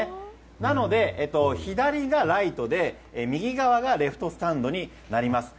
なので、左がライトで右側がレフトスタンドになります。